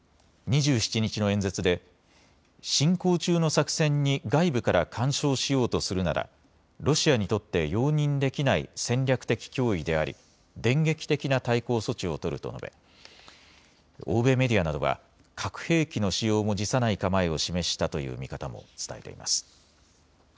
２７日の演説で進行中の作戦に外部から干渉しようとするならロシアにとって容認できない戦略的脅威であり電撃的な対抗措置を取ると述べ、欧米メディアなどは核兵器の使用も辞さない構えを示したという見方も伝えています。